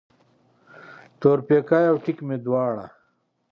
تورپیکی او ټیک مې دواړه